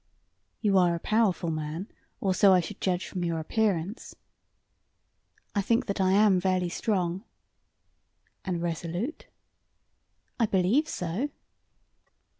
"You are a powerful man, or so I should judge from your appearance. "I think that I am fairly strong." "And resolute?" "I believe so."